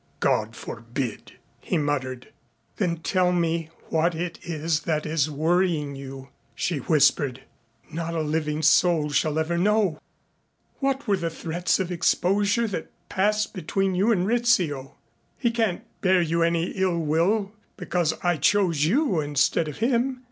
"God forbid," he muttered. "Then tell me what it is that is worrying you," she whispered. "Not a living soul shall ever know. What were the threats of exposure that passed between you and Rizzio. He can't bear you any illwill because I chose you instead of him.